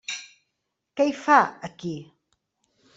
Què hi fa, aquí?